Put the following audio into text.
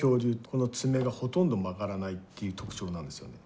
この爪がほとんど曲がらないっていう特徴なんですよね。